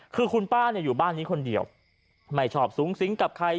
คือคุณป้าอยู่บ้านนี้คนเดียวไม่ชอบสูงสิงกับใคร